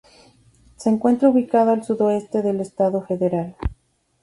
Se encuentra ubicado al sudoeste del estado federal.